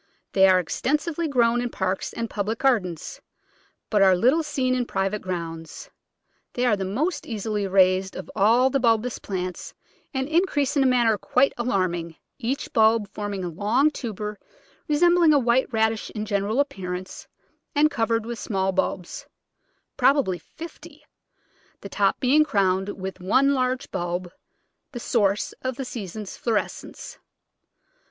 They are extensively grown in parks and public gardens, but are little seen in private grounds. They are the most easily raised of all the bulbous plants and increase in a manner quite alarm ing, each bulb forming a long tuber resembling a white radish in general appearance, and covered with small bulbs — probably fifty — the top being crowned with one large bulb, the source of the season's florescence.